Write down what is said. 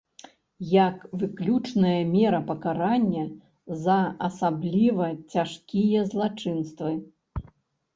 Як выключная мера пакарання за асабліва цяжкія злачынствы.